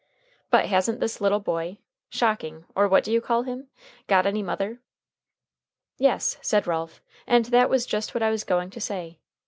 But hasn't this little boy Shocking, or what do you call him? got any mother?" "Yes," said Ralph, "and that was just what I was going to say."